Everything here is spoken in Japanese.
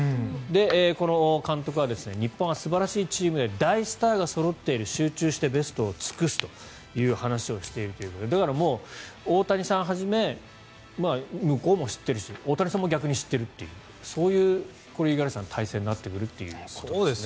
この監督は日本は素晴らしいチームで大スターがそろっている集中してベストを尽くすという話をしているということでだからもう、大谷さんはじめ向こうも知ってるし大谷さんも逆に知っているというそういう対戦になってくるということですね。